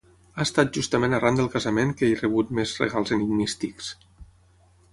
Ha estat justament arran del casament que he rebut més regals enigmístics.